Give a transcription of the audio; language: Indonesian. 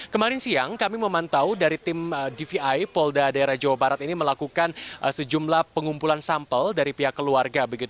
kemarin siang kami memantau dari tim dvi polda daerah jawa barat ini melakukan sejumlah pengumpulan sampel dari pihak keluarga